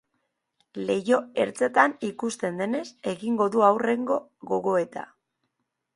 Leiho ertzetan ikusten duenaz egin du aurrenengo gogoeta.